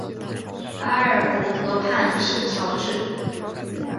埃尔夫河畔圣乔治。